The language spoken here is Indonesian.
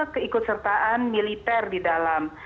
keikutsertaan militer di dalam